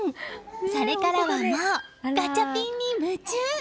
それからはもうガチャピンに夢中！